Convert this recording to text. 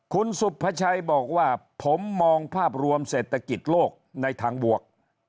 คุณสุภาชัยบอกว่าผมมองภาพรวมเศรษฐกิจโลกในทางบวก